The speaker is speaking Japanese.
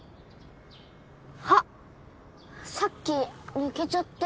歯さっき抜けちゃって